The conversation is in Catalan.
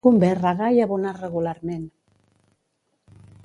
Convé regar i abonar regularment.